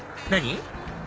何？